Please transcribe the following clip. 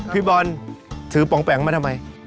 พี่บอลถือปล่๊องแปหน่อกลางไปทำไม